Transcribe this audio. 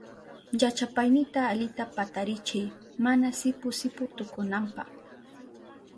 Llachapaynita alita patarichiy mana sipu sipu tukunanpa.